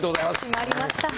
決まりました。